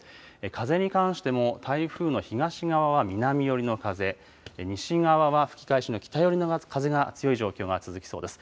風に関しても、台風の東側は南寄りの風、西側は吹き返しの北寄りの強い風が吹く状況が続きそうです。